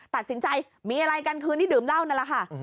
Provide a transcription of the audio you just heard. ตัดสินใจมีอะไรกันคืนที่ดื่มเหล้านั่นแหละค่ะ